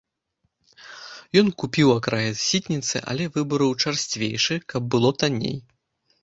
Ён купіў акраец сітніцы, але выбраў чарсцвейшы, каб было танней.